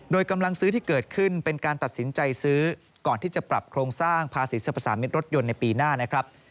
โดยกำลังซื้อที่เกิดขึ้นเป็นการตัดสินใจซื้อก่อนที่จะปรับโครงสร้างภาษีสรรพสามิตรรถยนต์ในปีหน้านะครับ